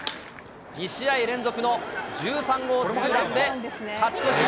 ２試合連続の１３号ツーランで、勝ち越し。